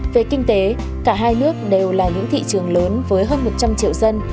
về kinh tế cả hai nước đều là những thị trường lớn với hơn một trăm linh triệu dân